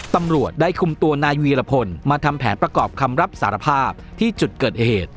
ตำรวจได้คุมตัวนายวีรพลมาทำแผนประกอบคำรับสารภาพที่จุดเกิดเหตุ